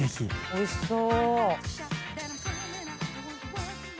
おいしそう。